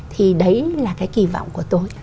thì đấy là cái kỳ vọng của tôi